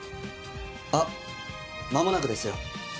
あっまもなくですよ。